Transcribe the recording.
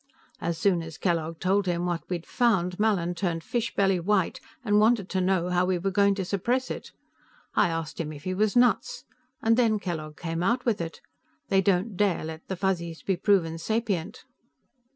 As soon as Kellogg told them what we'd found, Mallin turned fish belly white and wanted to know how we were going to suppress it. I asked him if he was nuts, and then Kellogg came out with it. They don't dare let the Fuzzies be proven sapient."